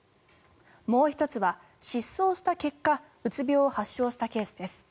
もう１つは失踪した結果うつ病を発症したケースです。